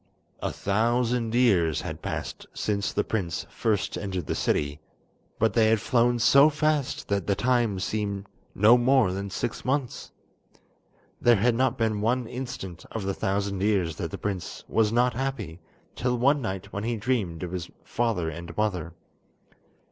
A thousand years had passed since the prince first entered the city, but they had flown so fast that the time seemed no more than six months. There had not been one instant of the thousand years that the prince was not happy till one night when he dreamed of his father and mother.